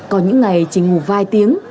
có những ngày chỉ ngủ vài tiếng